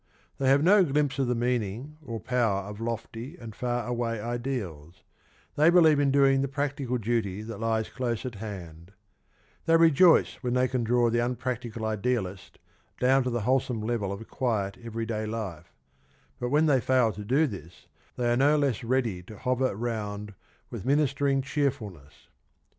They have no glimpse of the 35 meaning or power of lofty and far away ideals; they believe in doing the practical duty that lies close at hand ; they rejoice when they can draw the unpractical idealist down to the wholesome level of quiet everyday life, but when they fail to do this they are no less ready to hover round with ministering cheerfulness.